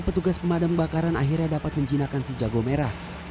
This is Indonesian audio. petugas pemadam kebakaran akhirnya dapat menjinakkan si jago merah